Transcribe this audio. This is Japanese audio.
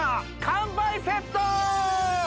乾杯セット！